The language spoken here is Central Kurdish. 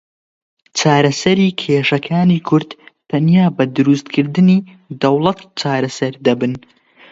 چارەسەری کێشەکانی کورد تەنیا بە دروستکردنی دەوڵەت چارەسەر دەبن.